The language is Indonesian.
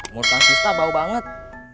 mulut kak sista bau banget